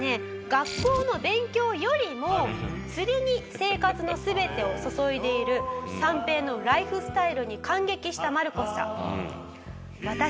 学校の勉強よりも釣りに生活の全てを注いでいる三平のライフスタイルに感激したマルコスさん。